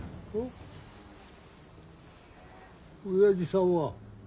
おやじさんは？